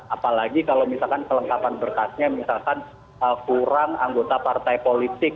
apalagi kalau misalkan kelengkapan berkasnya misalkan kurang anggota partai politik